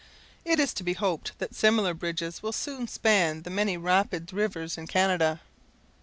It is to be hoped that similar bridges will soon span the many rapid rivers in Canada.